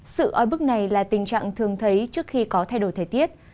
sự ói bức này là tình trạng thường thấy trước khi có thay đổi thời tiết